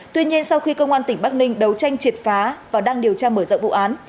tuy nhiên sau khi công an tỉnh bắc ninh đấu tranh triệt phá và đang điều tra mở rộng vụ án